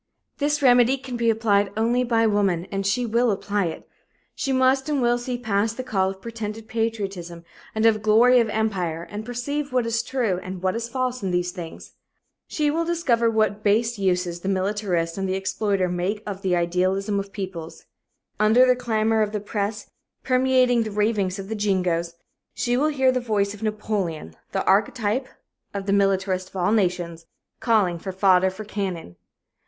This remedy can be applied only by woman and she will apply it. She must and will see past the call of pretended patriotism and of glory of empire and perceive what is true and what is false in these things. She will discover what base uses the militarist and the exploiter make of the idealism of peoples. Under the clamor of the press, permeating the ravings of the jingoes, she will hear the voice of Napoleon, the archtype of the militarists of all nations, calling for "fodder for cannon."